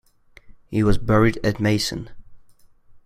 He was buried at Meissen.